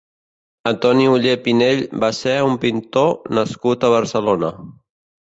Antoni Ollé Pinell va ser un pintor nascut a Barcelona.